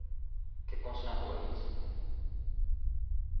結婚しないほうがいいですよね？